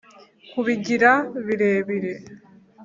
kubigira birebire.